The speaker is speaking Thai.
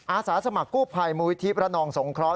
อาสาสมกู้ภัยมุมวิทีประนองสงเคราะห์